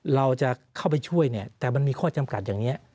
เราจะเข้าไปช่วยเนี่ยแต่มันมีข้อจำกัดอย่างนี้